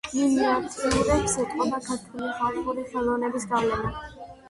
მინიატიურებს ეტყობა ქართული ხალხური ხელოვნების გავლენა.